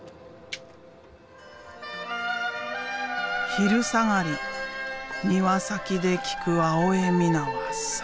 昼下がり庭先で聴く青江三奈は最高だ。